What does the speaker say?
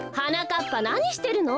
っぱなにしてるの？